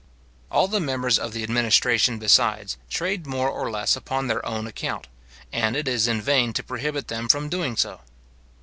All the members of the administration besides, trade more or less upon their own account; and it is in vain to prohibit them from doing so.